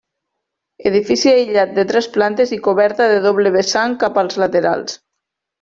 Edifici aïllat de tres plantes i coberta de doble vessant cap als laterals.